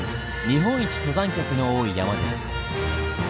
日本一登山客の多い山です。